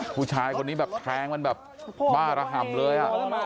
ผู้ชายคนนี้แบบแทงมันแบบบ้าระห่ำเลย